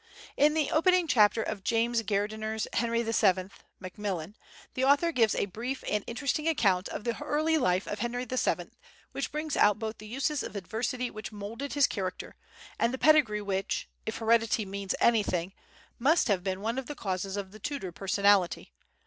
In the opening chapter of James Gairdner's "Henry the Seventh" (Macmillan), the author gives a brief and interesting account of the early life of Henry VII which brings out both the uses of adversity which moulded his character, and the pedigree which, if heredity means anything, must have been one of the causes of the Tudor personality.